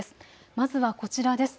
まずはこちらです。